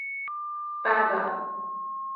八嘎！